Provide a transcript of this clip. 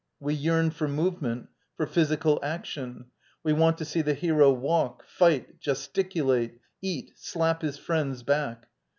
We yearn for movement, for physical action : we want to see the hero walk, fight, gp^f;iiy^il^< <*i eat, slap his friend's back.